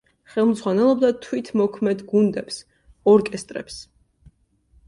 ხელმძღვანელობდა თვითმოქმედ გუნდებს, ორკესტრებს.